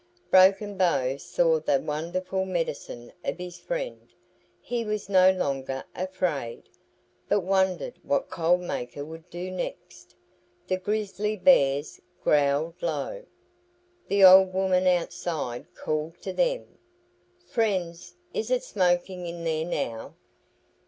Broken Bow saw the wonderful medicine of his friend. He was no longer afraid, but wondered what Cold Maker would do next. The grizzly bears growled low. The old woman outside called to them, "Friends, is it smoking in there now?"